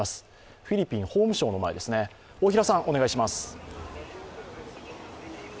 フィリピン法務省の前ですねお願いします。